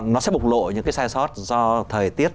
nó sẽ bộc lộ những cái sai sót do thời tiết